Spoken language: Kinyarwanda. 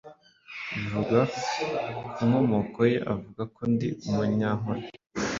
bivugwa ku nkomoko ye avuga ko “Ndi Umunyankore